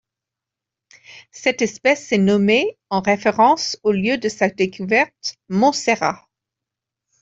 Cette espèce est nommée en référence au lieu de sa découverte, Montserrat.